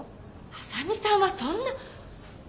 浅見さんはそんな。